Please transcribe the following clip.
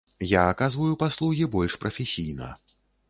Я аказваю паслугі больш прафесійна.